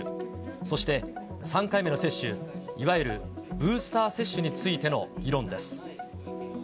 そして３回目の接種、いわゆるブースター接種についての議論です。